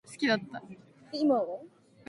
She is also able to play the piano and guitar.